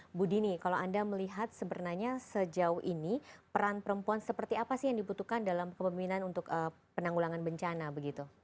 ibu dini kalau anda melihat sebenarnya sejauh ini peran perempuan seperti apa sih yang dibutuhkan dalam kepemimpinan untuk penanggulangan bencana begitu